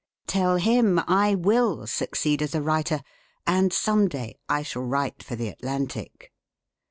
"Tell him I will succeed as a writer, and some day I shall write for the 'Atlantic.'"